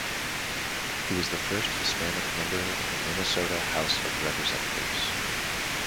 He was the first Hispanic member of the Minnesota House of Representatives.